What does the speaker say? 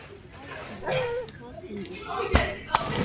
ჰყავს ძმა, სახელად თენგიზი.